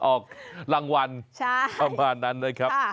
ออกรางวัลประมาณนั้นนะครับ